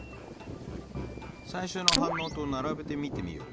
最初の反応と並べて見てみよう。